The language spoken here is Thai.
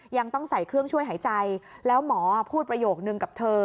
ยังต้องใส่เครื่องช่วยหายใจแล้วหมอพูดประโยคนึงกับเธอ